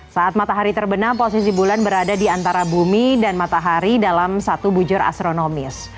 saat matahari terbenam posisi bulan berada di antara bumi dan matahari dalam satu bujur astronomis